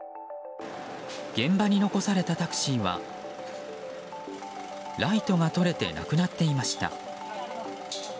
現場に残されたタクシーはライトが取れてなくなっていました。